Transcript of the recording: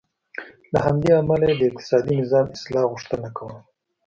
له همدې امله یې د اقتصادي نظام اصلاح غوښتنه کوله.